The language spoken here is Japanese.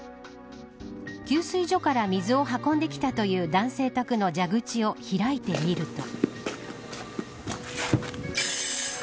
給水所から水を運んできたという男性宅の蛇口を開いてみると。